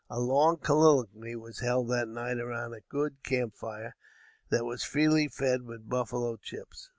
A long colloquy was held that night around a good camp fire, that was freely fed with "buffalo chips."